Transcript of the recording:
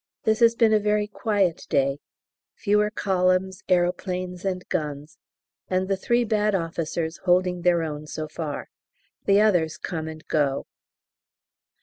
This has been a very quiet day, fewer columns, aeroplanes, and guns, and the three bad officers holding their own so far. The others come and go.